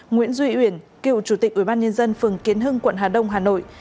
nguyễn duy uyển cựu chủ tịch ủy ban nhân dân phường kiến hưng quận hà đông hà nội